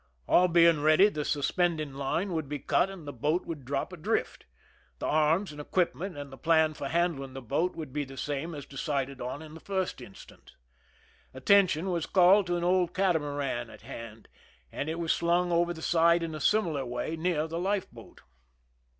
All being ready, the suspending line would be cut and the boat would drop adrift. The arms and equipment and the plan for handling the boat would be the same as decided on in the first instance. Attention was called to an old catamaran at hand, and it was slung over the sid(i in a similar way near the life boat.